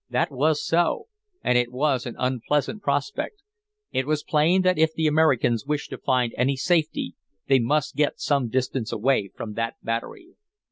That was so, and it was an unpleasant prospect; it was plain that if the Americans wished to find any safety they must get some distance away from that battery.